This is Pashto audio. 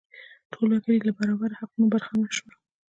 ټول وګړي له برابرو حقونو برخمن شول.